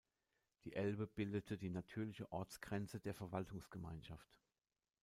Die Elbe bildete die natürliche Ostgrenze der Verwaltungsgemeinschaft.